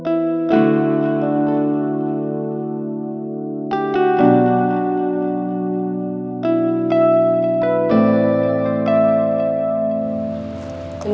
terima kasih ya